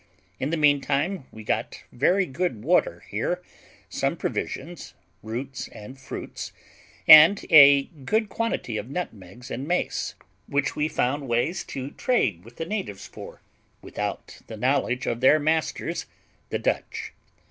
In the meantime we got very good water here, some provisions, roots, and fruits, and a good quantity of nutmegs and mace, which we found ways to trade with the natives for, without the knowledge of their masters, the Dutch.